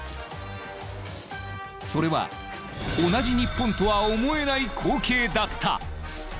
それは同じ日本とは思えない光景だった！